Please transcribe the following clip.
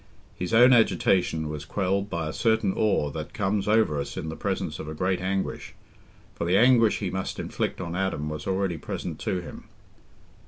His own agitation was quelled by a certain awe that comes over us in the presence of a great anguish, for the anguish he must inflict on Adam was already present to him.